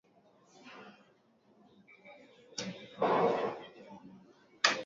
serikali ya misri ya onyakuwa itamchukua hatua kali za sheria